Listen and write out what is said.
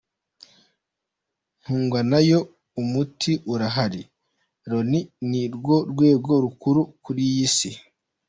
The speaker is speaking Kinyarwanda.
Ntungwanayo: Umuti urahari…Loni ni rwo rwego rukuru kuri iyi si.